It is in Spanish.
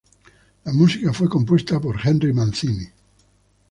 La música fue compuesta por Henry Mancini.